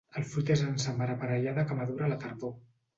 El fruit és en sàmara aparellada que madura a la tardor.